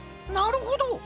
なるほど！